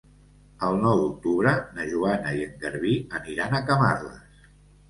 El nou d'octubre na Joana i en Garbí aniran a Camarles.